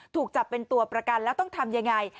ถูกจับเป็นตัวประกันแล้วต้องทำยังไง